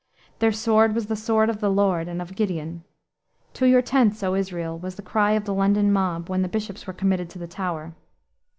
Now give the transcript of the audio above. Their sword was the sword of the Lord and of Gideon. "To your tents, O Israel," was the cry of the London mob when the bishops were committed to the Tower.